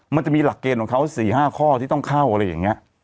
มันจะมีหลักเกณฑ์ของเขา๔๕ข้อที่ต้องเข้าอะไรอย่างนี้